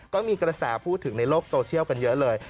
ก็มีกระแสพูดถึงในโลกโซเชียลกันเยอะเลย